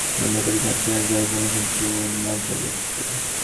মনে করি ঘাটে আর যাইব না, কিন্তু না যাইয়া কী করি।